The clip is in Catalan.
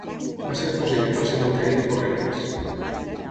Va ser afusellat al cementeri de Porreres.